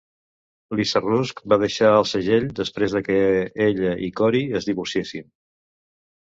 Lisa Rusk va deixar el segell després de que ella i Corey es divorciessin.